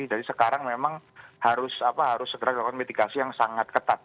jadi sekarang memang harus segera melakukan mitigasi yang sangat ketat